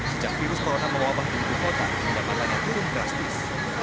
sejak virus corona mewabah di ibu kota pendapatannya turun drastis